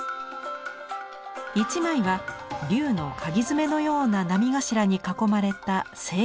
一枚は龍のかぎ爪のような波頭に囲まれた青龍。